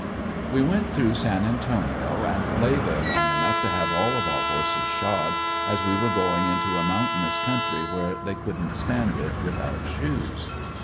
We went through San Antonio and lay there long enough to have all of our horses shod, as we were going into a mountainous country where they couldn't stand it without shoes.